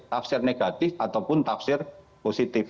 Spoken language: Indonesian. tafsir negatif ataupun tafsir positif